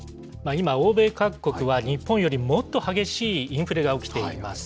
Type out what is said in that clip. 今、欧米各国は、日本よりもっと激しいインフレが起きています。